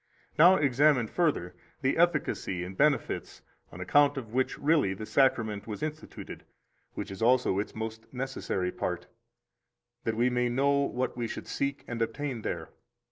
Now examine further the efficacy and benefits on account of which really the Sacrament was instituted; which is also its most necessary part, that we may know what we should seek and obtain there.